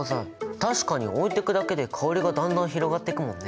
確かに置いとくだけで香りがだんだん広がってくもんね！